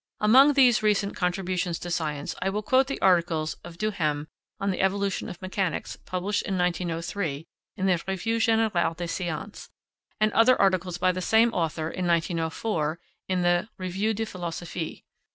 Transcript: Among these recent contributions to science I will quote the articles of Duhem on the Evolution of Mechanics published in 1903 in the Revue générale des Sciences, and other articles by the same author, in 1904, in the Revue de Philosophie.